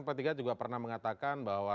petiga juga pernah mengatakan bahwa